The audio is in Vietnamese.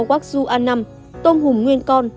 guac zu a năm tôm hùm nguyên con